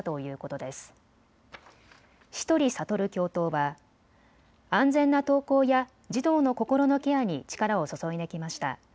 倭文覚教頭は安全な登校や児童の心のケアに力を注いできました。